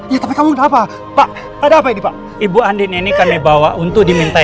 ya tapi kamu ada apa pak ada apa ini pak ibu andin ini kami bawa untuk diminta